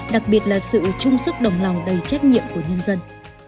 đặc biệt là sự trung sức đồng lòng đầy trách nhiệm của nhân dân